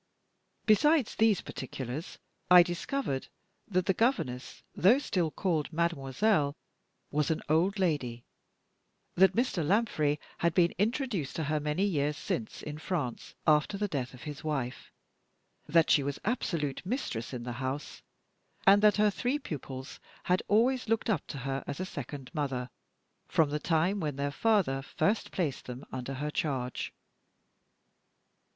Besides these particulars, I discovered that the governess, though still called "mademoiselle," was an old lady; that Mr. Lanfray had been introduced to her many years since in France, after the death of his wife; that she was absolute mistress in the house; and that her three pupils had always looked up to her as a second mother, from the time when their father first placed them under her charge.